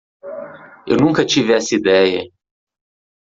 Eu nunca tive essa ideia.